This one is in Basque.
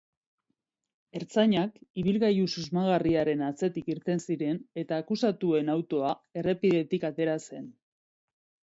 Ertzainak ibilgailu susmagarriaren atzetik irten ziren eta akusatuen autoa errepidetik atera zen.